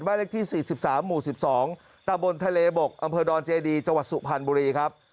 เลขที่๔๓หมู่๑๒ตะบนทะเลบกอำเภอดอนเจดีจังหวัดสุพรรณบุรีครับ